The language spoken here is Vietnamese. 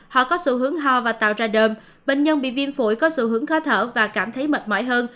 họ có xu hướng ho và tạo ra đơm bệnh nhân bị viêm phổi có xu hướng khó thở và cảm thấy mệt mỏi hơn